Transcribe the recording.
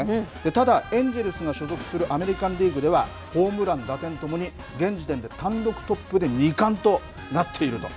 ただ、エンジェルスが所属するアメリカンリーグでは、ホームラン、打点ともに、現時点で単独トップで２冠となっていると。